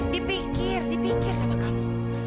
dipikir dipikir sama kamu